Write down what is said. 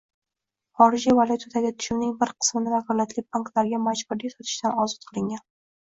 xorijiy valyutadagi tushumning bir qismini vakolatli banklarga majburiy sotishdan ozod qilingan?